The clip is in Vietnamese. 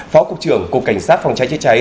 phó cục trưởng cục cảnh sát phòng cháy chữa cháy